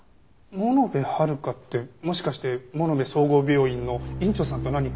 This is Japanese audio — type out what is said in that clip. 物部遥ってもしかして物部総合病院の院長さんと何か。